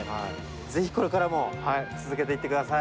ぜひこれからも続けていってください。